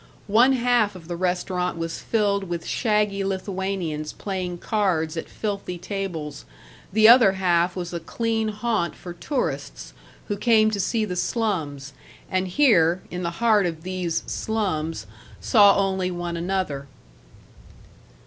One half of the restaurant was filled with shaggy Lithuanians playing cards at filthy tables; the other half was a clean haunt for tourists who came to see the slums, and here, in the heart of these "slums," saw only one another.